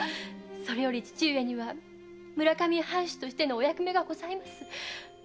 それより父上には村上藩主としてのお役目がございます。